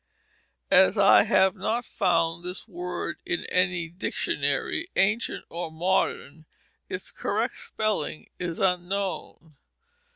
As I have not found this word in any dictionary, ancient or modern, its correct spelling is unknown.